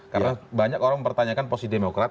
karena banyak orang mempertanyakan posisi demokrat